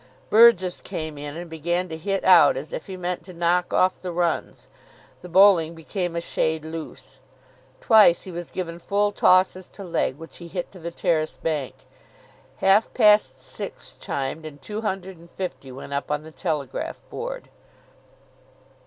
Burgess came in, and began to hit out as if he meant to knock off the runs. The bowling became a shade loose. Twice he was given full tosses to leg, which he hit to the terrace bank. Half past six chimed, and two hundred and fifty went up on the telegraph board.